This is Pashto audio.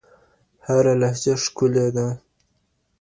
هره لهجه ښکلې ده.